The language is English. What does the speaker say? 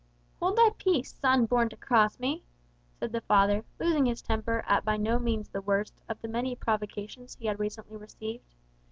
"Hold thy peace, son born to cross me!" said the father, losing his temper at by no means the worst of the many provocations he had recently received.